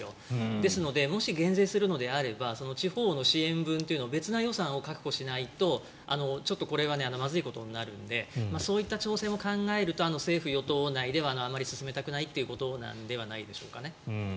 ですのでもし減税するのであれば地方の支援分を別の予算を確保しないとちょっとこれはまずいことになるのでそういった調整も考えると政府・与党内ではあまり進めたくないということなのではないでしょうかね。